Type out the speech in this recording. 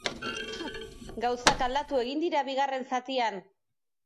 Gauzak aldatu egin dira bigarren zatian.